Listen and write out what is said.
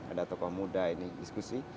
ada tokoh muda ini diskusi